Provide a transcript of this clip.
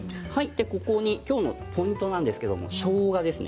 ここに、きょうのポイントですけれど、しょうがですね。